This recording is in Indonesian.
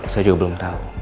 saya juga belum tau